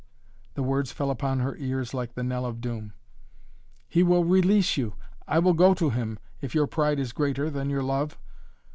The words fell upon her ears like the knell of doom. "He will release you! I will go to him if your pride is greater, than your love."